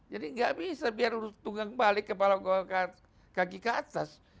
jadi gak bisa biar tunggang balik kepala kaki ke atas